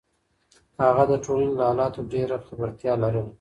هغه د ټولنې له حالاتو ډیره خبرتیا لرله.